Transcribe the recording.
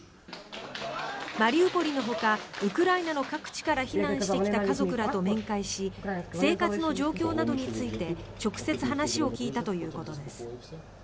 マリウポリのほかウクライナの各地から避難してきた家族らと面会し生活の状況などについて直接話を聞いたということです。